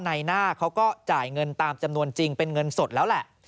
ในหน้าเขาก็จ่ายเงินตามจำนวนจริงเป็นเงินสดแล้วแหละ